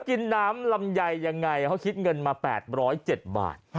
กินน้ำลำไยยังไงเขาคิดเงินมา๘๐๗บาท